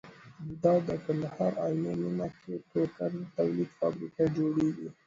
دا د کندهار عينو مينه کې ده ټوکر د تولید فابريکه جوړيږي